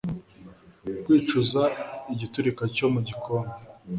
kwicuza igiturika cyo mu bikombe